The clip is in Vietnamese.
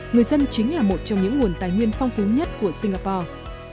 người dân chính là một trong những nguồn tài nguyên phong phú nhất của singapore